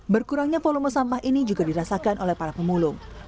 berkurangnya volume sampah ini juga dirasakan oleh para pemulung